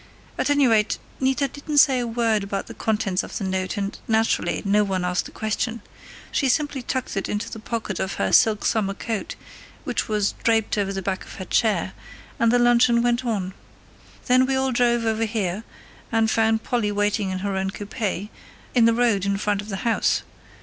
At any rate, Nita didn't say a word about the contents of the note and naturally no one asked a question. She simply tucked it into the pocket of her silk summer coat, which was draped over the back of her chair, and the luncheon went on. Then we all drove over here, and found Polly waiting in her own coupe, in the road in front of the house.